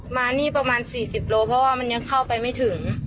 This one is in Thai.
มานี่ประมาณ๔๐โลเพราะว่ามันยังเข้าไปไม่ถึง